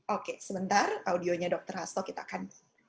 oke sebentar audionya dr hasto kita akan